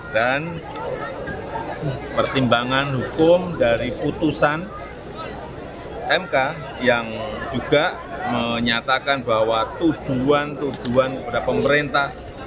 dan pertimbangan hukum dari putusan mk yang juga menyatakan bahwa tuduhan tuduhan kepada pemerintah